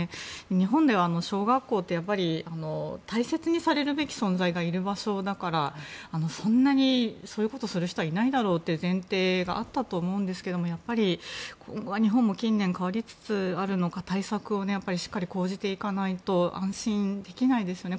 日本では小学校って大切にされるべき存在がいる場所だからそんなにそういうことをする人はいないだろうっていう前提があったと思うんですけど今後は日本も近年変わりつつあるのか対策をしっかり講じていかないと安心できないですよね。